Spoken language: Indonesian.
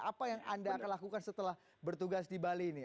apa yang anda akan lakukan setelah bertugas di bali ini